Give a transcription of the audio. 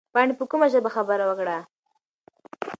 پاڼې په کومه ژبه خبره وکړه؟